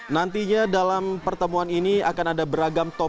nantinya dalam pertemuan ini akan ada beragam topik yang akan kita lihat